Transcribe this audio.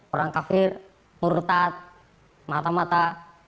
orang kafir murtat mata mata